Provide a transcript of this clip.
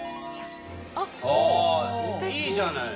あいいじゃない！